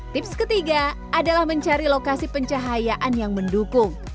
tips ketiga adalah mencari lokasi pencahayaan yang mendukung